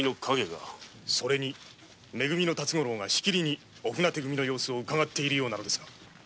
それにめ組の辰五郎がしきりに御船手組の様子を伺っているようなのですが。